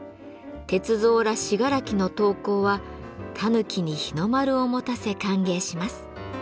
銕造ら信楽の陶工はたぬきに日の丸を持たせ歓迎します。